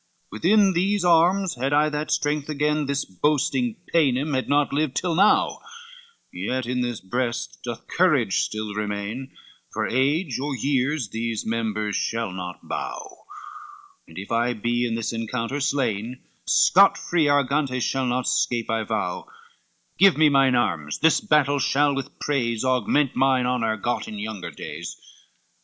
LXV "Within these arms, had I that strength again, This boasting Paynim had not lived till now, Yet in this breast doth courage still remain; For age or years these members shall not bow; And if I be in this encounter slain, Scotfree Argantes shall not scape, I vow; Give me mine arms, this battle shall with praise Augment mine honor, got in younger days."